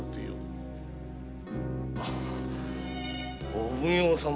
お奉行様。